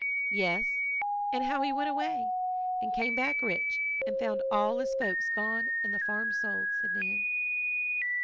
"Yes, and how he went away, and came back rich, and found all his folks gone and the farm sold," said Nan.